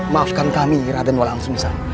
maafkan kami raden walang susam